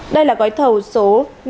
đây là gói thầu số năm một mươi